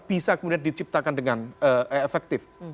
bisa kemudian diciptakan dengan efektif